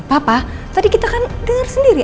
papa tadi kita kan dengar sendiri